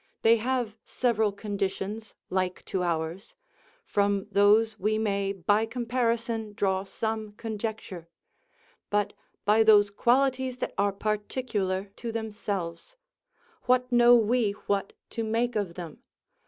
They have several conditions like to ours; from those we may, by comparison, draw some conjecture: but by those qualities that are particular to themselves, what know we what to make of them!